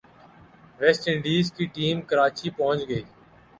waste Indies کی team Karachi پہنچ گئی